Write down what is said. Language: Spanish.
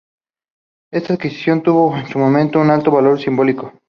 Esta adquisición tuvo en su momento un alto valor simbólico.